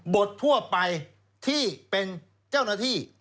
ทั่วไปที่เป็นเจ้าหน้าที่